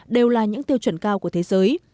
đều là những tiêu chuẩn cao của thế giới